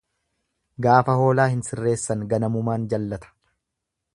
Gaafa hoolaa hin sirreessan ganamumaan jallata.